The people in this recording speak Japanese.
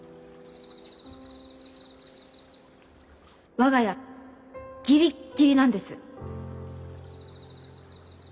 我が家ギリッギリなんです。